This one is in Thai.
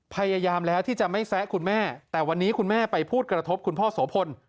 พยายามแล้วที่จะไม่แซะคุณแม่แต่วันนี้คุณแม่ไปพูดกระทบคุณพ่อโสพล